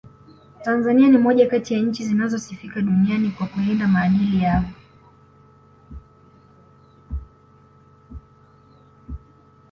Tanzania ni moja kati ya nchi zinazosifika duniani kwa kulinda maadili yao